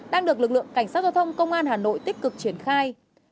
đang được lực lượng cảnh sát giao thông công an hà nội tích cực triển khai